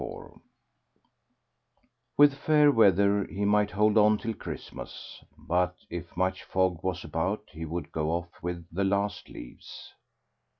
XLIV With fair weather he might hold on till Christmas, but if much fog was about he would go off with the last leaves.